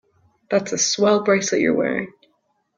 That's a swell bracelet you're wearing.